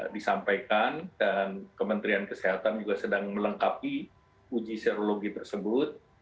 disampaikan dan kementerian kesehatan juga sedang melengkapi uji serologi tersebut